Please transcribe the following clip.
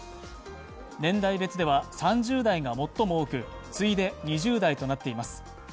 年代別では３０代が最も多く次いで２０代となっています。